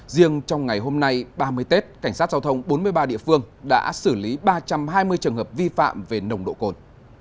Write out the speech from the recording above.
riêng trong ngày hôm nay ba mươi tết cảnh sát giao thông bốn mươi ba địa phương đã xử lý ba trăm hai mươi trường hợp vi phạm về nồng độ cồn